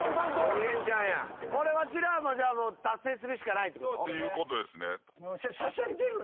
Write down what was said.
鬼レンチャンや。これわしらも達成するしかないってこと？ということですね。